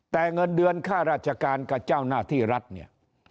แต่เงินเดือนค่าราชการกับเจ้าหน้าที่รัฐเนี่ย